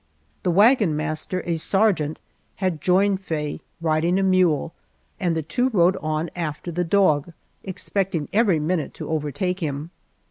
The wagon master, a sergeant, had joined Faye, riding a mule, and the two rode on after the dog, expecting every minute to overtake him.